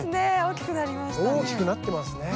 大きくなってますね。